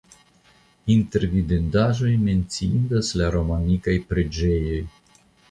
Inter vidindaĵoj menciindas la romanikaj preĝejoj.